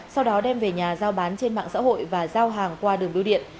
sau đó đem về nhà giao bán trên mạng xã hội và giao hàng qua đường biêu điện